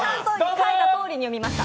書いたとおりに読みました。